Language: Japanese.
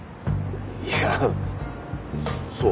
いやあそう？